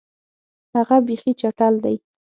هغه بیخي چټل دی.